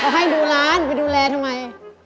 ให้ดูร้านไปดูแลทำไม